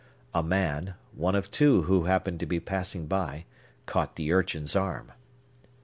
A man—one of two who happened to be passing by—caught the urchin's arm.